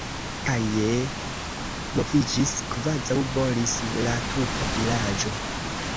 Gaje moviĝis, kvazaŭ bolis la tuta vilaĝo!